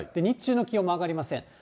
日中の気温も上がりません。